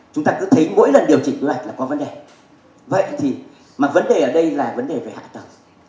chúng ta cứ thấy mỗi lần điều chỉnh quy hoạch là có vấn đề vậy thì mà vấn đề ở đây là vấn đề về hạ tầng